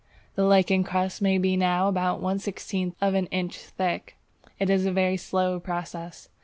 The lichen crust may be now about one sixteenth of an inch thick. It is a very slow process.